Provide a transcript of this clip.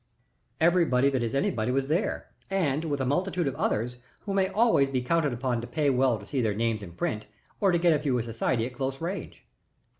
Everybody that is anybody was there, with a multitude of others who may always be counted upon to pay well to see their names in print or to get a view of society at close range.